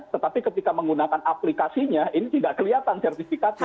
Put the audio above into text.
tetapi ketika menggunakan aplikasinya ini tidak kelihatan sertifikatnya